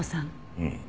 うん。